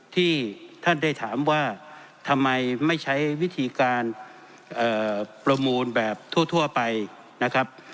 ที่ท่านได้ถามว่าทำไมไม่ใช้วิธีการประมูลแบบทั่วไปนะครับ